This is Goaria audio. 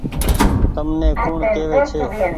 تم ني ڪوڻ ڪيوي ڇي ۔